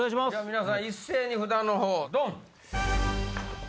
皆さん一斉に札のほうドン！